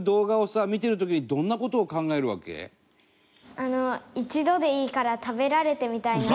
あの一度でいいから食べられてみたいなって。